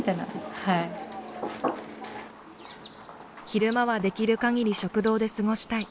昼間はできる限り食堂で過ごしたい。